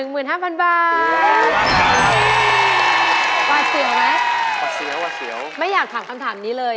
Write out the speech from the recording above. เพราะว่า